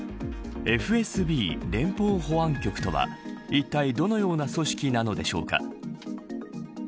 ＦＳＢ連邦保安局とはいったいどのような組織なのでしょうか。